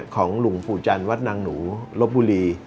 ของหลวงปู่จันทร์วัดนางหนูลบบุรี